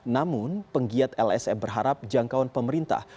namun penggiat lsm berharap jangkauan pemerintah